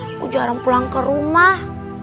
aku jarang pulang ke rumah